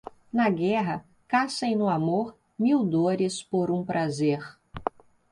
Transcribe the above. Na guerra, caça e no amor - mil dores por um prazer.